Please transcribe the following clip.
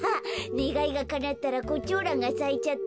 ねがいがかなったらコチョウランがさいちゃった。